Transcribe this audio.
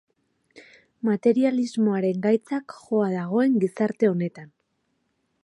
Materialismoaren gaitzak joa dagoen gizarte honetan.